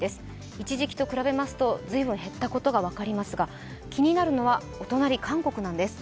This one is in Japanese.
一時期と比べますと随分減ったことが分かりますが、気になるのはお隣韓国なんです。